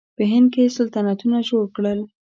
په هند کې یې سلطنتونه جوړ کړل.